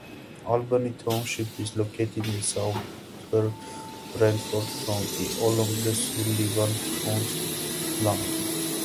Albany Township is located in southern Bradford County, along the Sullivan County line.